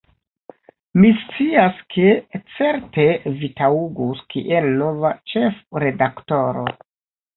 "Mi scias, ke certe vi taŭgus kiel nova ĉefredaktoro.